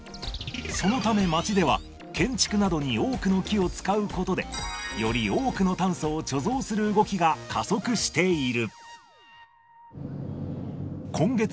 そのため街では、建築などに多くの木を使うことで、より多くの炭素を貯蔵する動きが加速している。